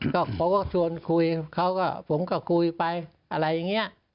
ก็เขาก็ชวนคุยเขาก็ผมก็คุยไปอะไรอย่างนี้